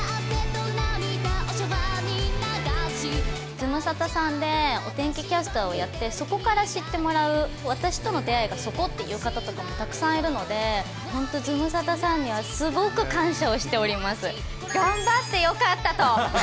ズムサタさんで、お天気キャスターをやって、そこから知ってもらう、私との出会いがそこっていう方とかもたくさんいるので、本当、ズムサタさんにはすごく感謝をしております。